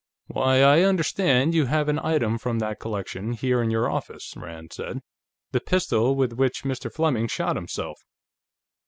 "Why, I understand you have an item from that collection, here in your office," Rand said. "The pistol with which Mr. Fleming shot himself.